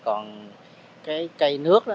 còn cây nước